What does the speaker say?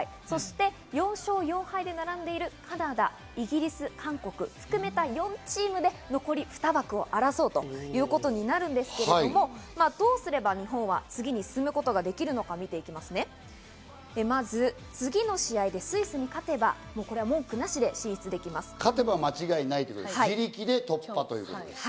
そして４勝４敗で並んでいるカナダ、イギリス、韓国を含めた４チームで残り２枠を争うということになるんですけど、どうすれば日本は次に進むことができるのかまず次の試合でスイスに勝てば、これは文句なしで進出できます。